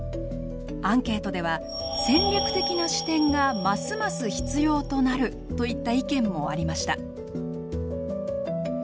アンケートでは「戦略的な視点がますます必要となる」といった意見もありました。